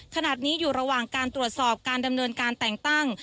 ขณะนี้อยู่ระหว่างการตรวจสอบการดำเนินการแต่งตั้ง